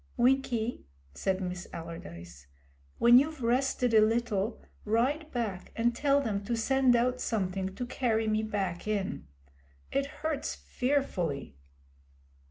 'Winkie,' said Miss Allardyce, 'when you've rested a little, ride back and tell them to send out something to carry me back in. It hurts fearfully.'